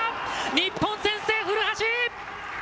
日本先制、古橋！